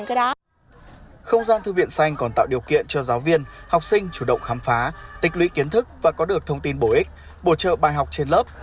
không gian thư viện xanh còn tạo điều kiện cho giáo viên học sinh chủ động khám phá tịch lũy kiến thức và có được thông tin bổ ích bổ trợ bài học trên lớp